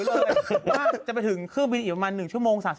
น่าจะไปถึงเครื่องบินอีกประมาณ๑ชั่วโมง๓๐